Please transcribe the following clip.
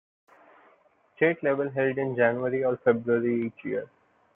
State level held in January or February each year.